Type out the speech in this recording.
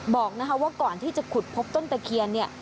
บอกว่าก่อนที่จะขุดพบต้นตะเคียนเนี่ย